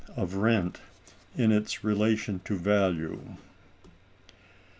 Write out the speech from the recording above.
Of Rent, In Its Relation To Value.